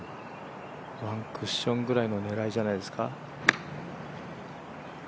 ワンクッションぐらいの狙いじゃないですか。